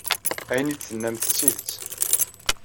Ayen ay d-tennamt d tidet.